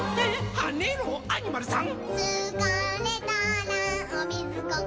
はねろアニマルさん！」